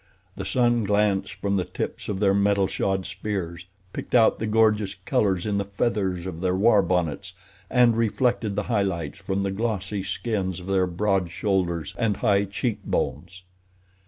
The sun glanced from the tips of their metal shod spears, picked out the gorgeous colors in the feathers of their war bonnets, and reflected the high lights from the glossy skins of their broad shoulders and high cheek bones.